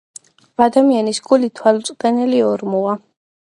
„ადამიანის გული თვალუწვდენელი ორმოა.“